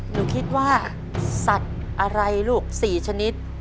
หนูคิดว่าสัตว์อะไรลูก๔ชนิด